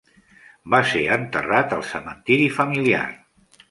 Va ser enterrat al cementiri familiar.